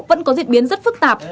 vẫn có diễn biến rất phức tạp